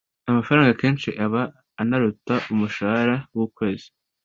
amafaranga akenshi aba anaruta umushahara w’ukwezi